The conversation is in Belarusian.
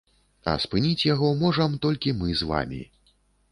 А спыніць яго можам толькі мы з вамі.